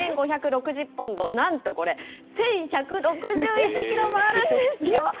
２５６０ポンド、なんとこれ、１１６１キロもあるんですよ。